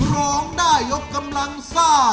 ร้องได้ยกกำลังซ่า